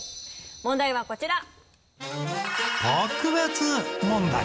問題はこちら。